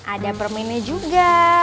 ada permennya juga